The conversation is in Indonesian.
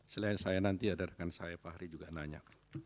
selain saya nanti ada rekan saya fahri juga nanya